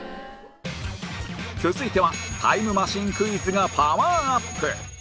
続いてはタイムマシンクイズがパワーアップ！